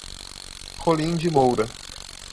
Rolim de Moura